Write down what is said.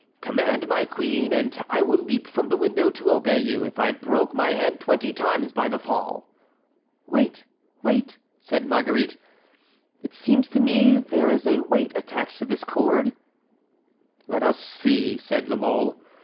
"Command, my queen, and I will leap from the window to obey you, if I broke my head twenty times by the fall." "Wait, wait," said Marguerite. "It seems to me that there is a weight attached to this cord." "Let us see," said La Mole.